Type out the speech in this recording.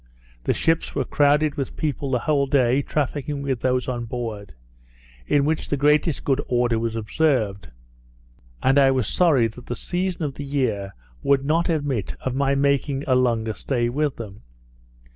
The ships were crowded with people the whole day, trafficking with those on board, in which the greatest good order was observed; and I was sorry that the season of the year would not admit of my making a longer stay with them.